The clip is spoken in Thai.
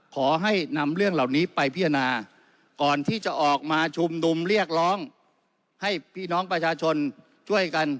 ขอให้นำเรื่องเหล่านี้ไปพิจารณา